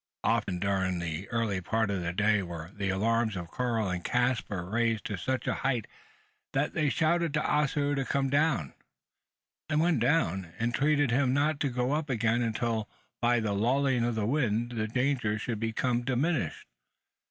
Often during the earlier part of the day were the alarms of Karl and Caspar raised to such a height, that they shouted to Ossaroo to come down; and when down, entreated him not to go up again until, by the lulling of the wind, the danger should become diminished.